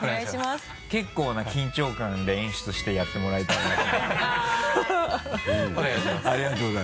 結構な緊張感で演出してやってもらいたいなと思って。